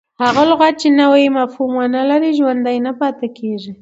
هغه لغت، چي نوی مفهوم و نه لري، ژوندی نه پاته کیږي.